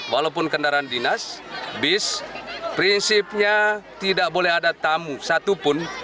walaupun kendaraan dinas bis prinsipnya tidak boleh ada tamu satupun